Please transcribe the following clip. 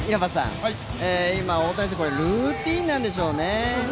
今、大谷選手、ルーチンなんでしょうね。